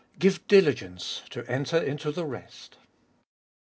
GIVE DILIGENCE TO ENTER INTO THE REST.